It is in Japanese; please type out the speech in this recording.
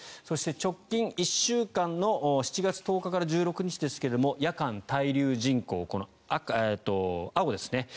直近１週間の７月１０日から１６日ですが夜間滞留人口、青ですね。